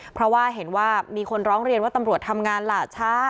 เพราะว่าเห็นว่ามีคนร้องเรียนว่าตำรวจทำงานหล่าช้า